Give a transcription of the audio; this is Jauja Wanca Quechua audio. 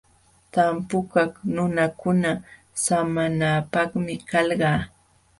Tampukaq nunakuna samanapaqmi kalqa.